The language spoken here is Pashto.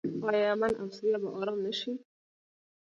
آیا یمن او سوریه به ارام نشي؟